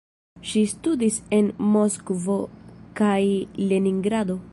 Ŝi studis en Moskvo kaj Leningrado.